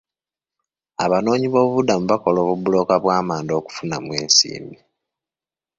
Abanoonyiboobubudamu bakola obubulooka bw'amanda okufunamu ensimbi.